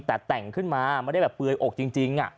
แต่แต่งขึ้นมาไม่ได้แบบเปลือยอกจริง